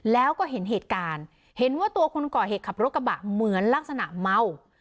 แล้วก็เห็นเหตุการณ์เห็นว่าตัวคนก่อเหตุขับรถกระบะเหมือนลักษณะเมา